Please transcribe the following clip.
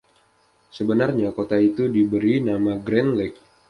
Sebenarnya kota itu diberi nama Grand Lake.